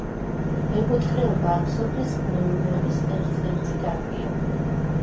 მეფუტკრეობა აქ სოფლის მეურნეობის ერთ ერთი დარგია.